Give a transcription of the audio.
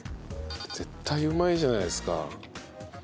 絶対うまいじゃないですか。